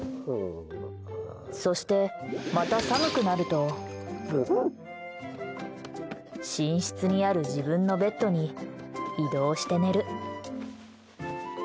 そして、また寒くなると寝室にある自分のベッドに移動して寝る。